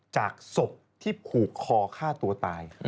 จากศพที่ผูกคอฆ่าตัวตาย